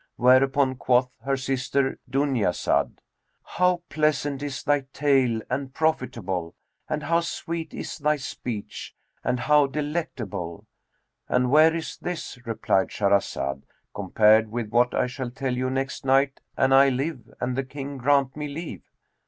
Whereupon quoth her sister Dunyazad, "How pleasant is thy tale and profitable; and how sweet is thy speech and how delectable!" "And where is this," replied Shahrazad, "compared with what I shall tell you next night an I live and the King grant me leave!"